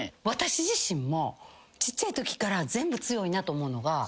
私自身もちっちゃいときから全部強いなと思うのが。